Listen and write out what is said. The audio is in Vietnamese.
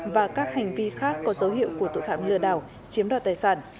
và các hành vi khác có dấu hiệu của tội phạm lừa đảo chiếm đoạt tài sản